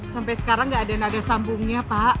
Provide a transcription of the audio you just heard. sampai sekarang gak ada nada sambungnya pak